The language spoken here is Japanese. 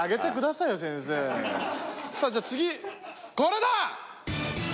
さぁじゃあ次これだ！